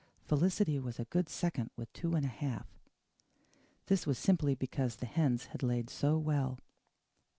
Felicity was a good second with two and a half. This was simply because the hens had laid so well.